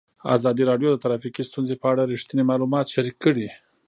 ازادي راډیو د ټرافیکي ستونزې په اړه رښتیني معلومات شریک کړي.